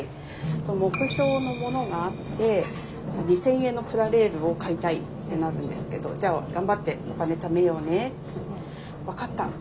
目標のものがあって２，０００円のプラレールを買いたいってなるんですけど「じゃあ頑張ってお金貯めようね」って。